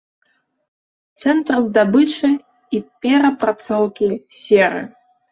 Цэнтр здабычы і перапрацоўкі серы.